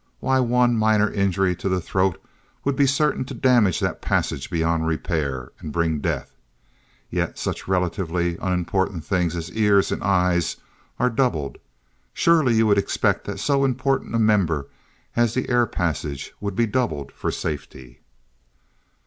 Why, one minor injury to the throat would be certain to damage that passage beyond repair, and bring death. Yet such relatively unimportant things as ears, and eyes are doubled. Surely you would expect that so important a member as the air passage would be doubled for safety.